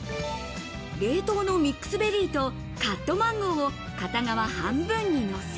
冷凍のミックスベリーとカットマンゴーを片側半分にのせ。